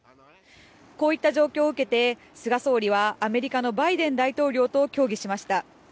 こういった状況を受けて菅総理はアメリカのバイデン大統領と協議しました。